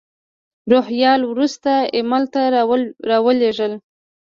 روهیال وروسته ایمیل ته را ولېږل.